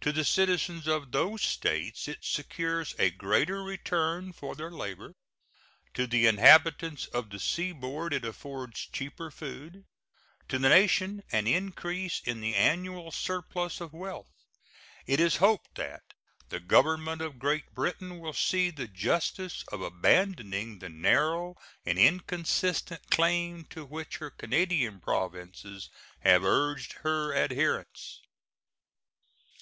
To the citizens of those States it secures a greater return for their labor; to the inhabitants of the seaboard it affords cheaper food; to the nation, an increase in the annual surplus of wealth. It is hoped that the Government of Great Britain will see the justice of abandoning the narrow and inconsistent claim to which her Canadian Provinces have urged her adherence.